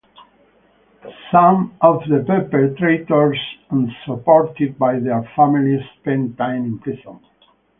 Some of the perpetrators, unsupported by their families, spent time in prison.